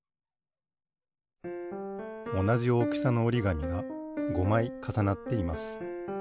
おなじおおきさのおりがみが５まいかさなっています。